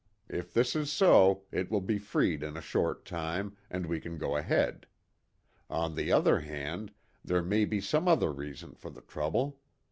If this is so, it will be freed in a short time, and we can go ahead. On the other hand, there may be some other reason for the trouble.